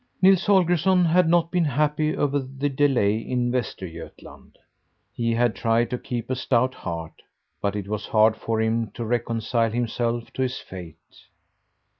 Nils Holgersson had not been happy over the delay in Westergötland. He had tried to keep a stout heart; but it was hard for him to reconcile himself to his fate.